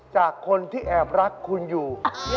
จากคนที่แอบรักคุณอยู่